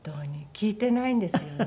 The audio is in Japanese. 聞いてないんですよね